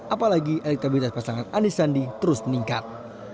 apalagi elektabilitas pasangan anis sandi terus meningkat